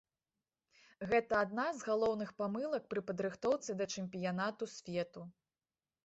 Гэта адна з галоўных памылак пры падрыхтоўцы да чэмпіянату свету.